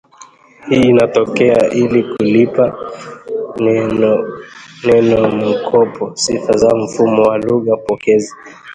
Hii inatokea ili kulipa nenomkopo sifa za mfumo wa lugha pokezi